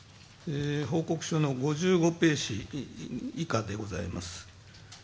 報告書の５５ページ以下でございます。